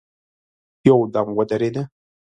يودم ودرېده.